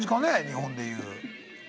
日本で言う。